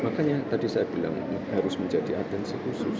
makanya tadi saya bilang ini harus menjadi atensi khusus